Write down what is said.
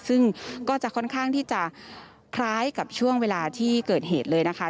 ซึ่งก็จะค่อนข้างที่จะคล้ายกับช่วงเวลาที่เกิดเหตุเลยนะคะ